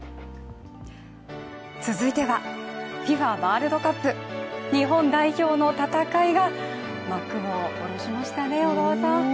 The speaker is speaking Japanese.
続いては、ＦＩＦＡワールドカップ、日本代表の戦いが幕を下ろしましたね、小川さん。